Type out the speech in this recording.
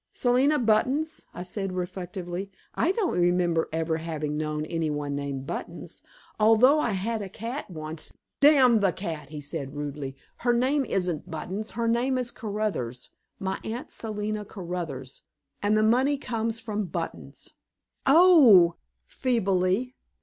"Selina Buttons," I said reflectively. "I don't remember ever having known any one named Buttons, although I had a cat once " "Damn the cat!" he said rudely. "Her name isn't Buttons. Her name is Caruthers, my Aunt Selina Caruthers, and the money comes from buttons." "Oh!" feebly.